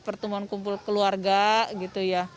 pertemuan kumpul keluarga gitu ya